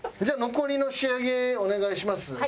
じゃあ残りの仕上げお願いします。